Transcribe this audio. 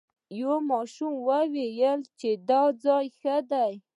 یو ماشوم وویل چې دا ځای ښه دی.